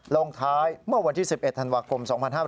ลงท้ายเมื่อวันที่๑๑ธันวาคม๒๕๕๙